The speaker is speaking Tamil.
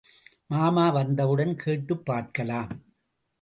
மாமா வந்தவுடன் கேட்டுப் பார்க்கலாம்.